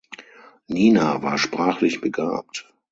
Nina war sprachlich begabt.